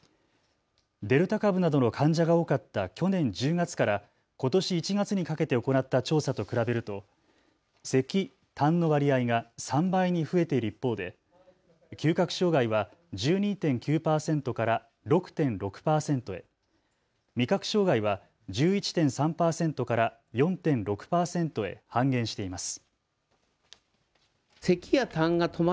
デルタ株などの患者が多かった去年１０月からことし１月にかけて行った調査と比べるとせき・たんの割合が３倍に増えている一方で嗅覚障害は１２．９％から６．６％へ、味覚障害は１１．３％から４．６％へ半減しています。